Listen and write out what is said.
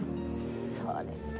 そうですね。